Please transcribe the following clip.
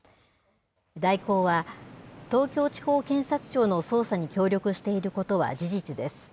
大広は、東京地方検察庁の捜査に協力していることは事実です。